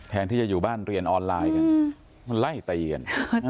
แทนที่จะอยู่บ้านเรียนออนไลน์กันไล่ตะเอียน